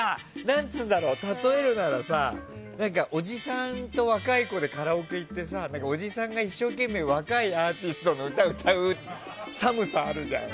例えるならおじさんと若い子でカラオケ行っておじさんが一生懸命に若いアーティストの歌を歌う寒さがあるじゃん。